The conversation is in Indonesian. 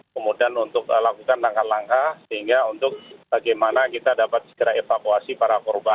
kemudian untuk lakukan langkah langkah sehingga untuk bagaimana kita dapat segera evakuasi para korban